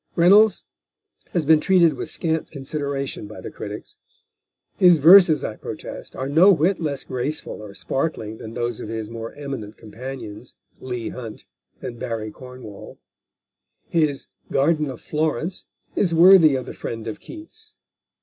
Reynolds has been treated with scant consideration by the critics. His verses, I protest, are no whit less graceful or sparkling than those of his more eminent companions, Leigh Hunt and Barry Cornwall. His Garden of Florence is worthy of the friend of Keats.